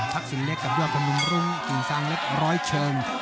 ทักษิณเล็กดูะธนุมรุ้งหญี่งสร้างเล็กบร้อยเชิง